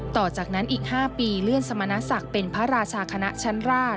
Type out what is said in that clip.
ต่อจากนั้นอีก๕ปีเลื่อนสมณศักดิ์เป็นพระราชาคณะชั้นราช